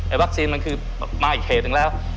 วัคซีนมันคือมาอีกเขตหนึ่งแล้ว